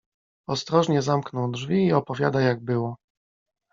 Ostrożnie zamknął drzwi i opowiada, jak było.